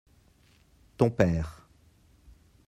ton père.